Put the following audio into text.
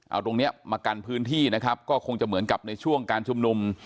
เอาตรงเนี้ยมากันพื้นที่นะครับก็คงจะเหมือนกับในช่วงการชุมนุม